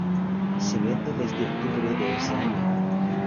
Se vende desde octubre de ese año.